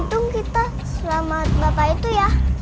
untung kita selamat bapak itu ya